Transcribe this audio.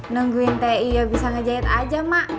nungguin ti ya bisa ngejahit aja mak